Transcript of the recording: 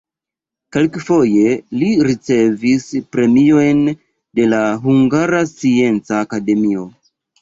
Kelkfoje li ricevis premiojn de la Hungara Scienca Akademio.